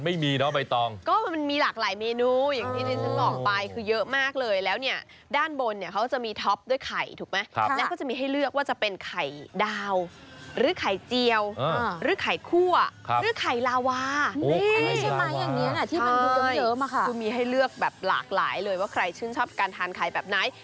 ไปดูเมนูกันบ้างคุณผู้ชมที่นี่ก็จะมีหลากหลายเมนูเลย